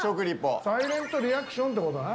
サイレントリアクションってことだね。